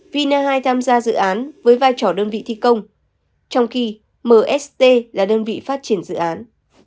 vina hai tham gia dự án với vai trò đơn vị thi công trong khi mst là đơn vị phát triển dự án